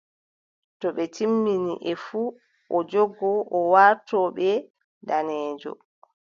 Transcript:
To ɓe timmini e fuu, o jogo o warto ɓe daneejo.